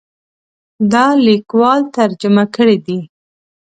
دا لیکوال ترجمه کړی دی.